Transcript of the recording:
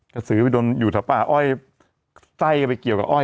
กะสือไปโดนอยู่ทะเป้าอ้อยใส่ไปเกี่ยวกับอ้อย